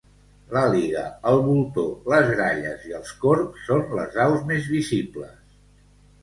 L'àliga, el voltor, les gralles i els corbs són les aus més visibles.